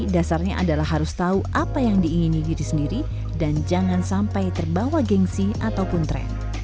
dasarnya adalah harus tahu apa yang diingini diri sendiri dan jangan sampai terbawa gengsi ataupun tren